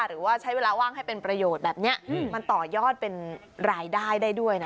หรือว่าใช้เวลาว่างให้เป็นประโยชน์แบบนี้มันต่อยอดเป็นรายได้ได้ด้วยนะ